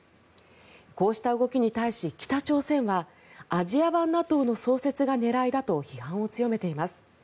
こうした動きに対し、北朝鮮はアジア版ＮＡＴＯの創設が狙いだと批判を強めています。